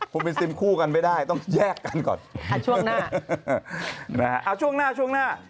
คุณเป็นซิมคู่กันไม่ได้ต้องแยกกันก่อนช่วงหน้านะฮะเอาช่วงหน้าช่วงหน้า